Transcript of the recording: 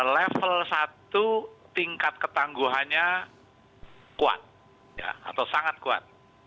level satu tingkat ketangguhannya kuat atau sangat kuat